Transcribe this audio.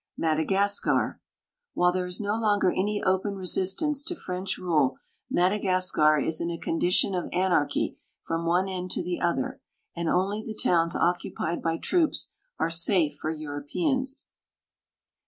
M ADAGASCAR. While there is no longer any open resistance to French rule, Madagascar is in a condition of anarchy from one end to the other, and only the towns occupied by troops are safe for Europeans.